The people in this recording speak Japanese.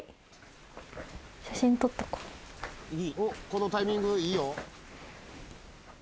このタイミングいいよ。